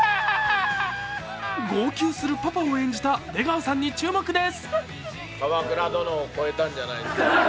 号泣するパパを演じた出川さんに注目です。